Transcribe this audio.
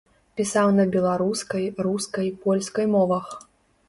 Пісаў на беларускай, рускай, польскай мовах.